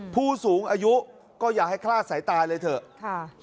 ผู้สูงอายุก็อย่าให้คลาดสายตาเลยเถอะค่ะ